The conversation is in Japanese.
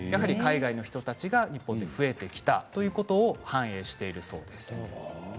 海外の人たちが日本で増えてきたということを反映しているそうです。